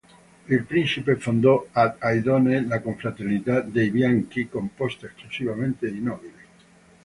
Il principe fondò ad Aidone la "Confraternita dei Bianchi", composta esclusivamente di nobili.